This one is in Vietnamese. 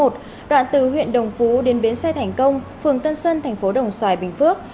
đoạn từ huyện đồng phú đến biến xe thành công phường tân sơn thành phố đồng xoài bình phước